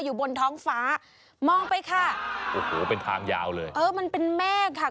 อยู่บนท้องฟ้ามองไปค่ะโอ้โหเป็นทางยาวเลยเออมันเป็นเมฆค่ะ